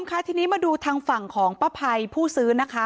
คุณผู้ชมค่ะทีนี้มาดูทางฝังของป้าพัยผู้ซื้อนะคะ